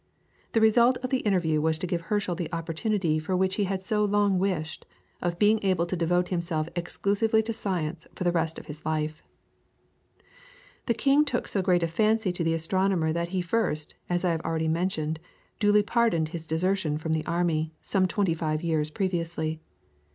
The result of the interview was to give Herschel the opportunity for which he had so long wished, of being able to devote himself exclusively to science for the rest of his life. [PLATE: VIEW OF THE OBSERVATORY, HERSCHEL HOUSE, SLOUGH.] The King took so great a fancy to the astronomer that he first, as I have already mentioned, duly pardoned his desertion from the army, some twenty five years previously.